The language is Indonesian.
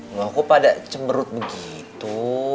loh kok pada cemberut begitu